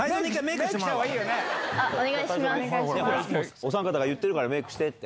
おさん方が言ってる「メイクして」って。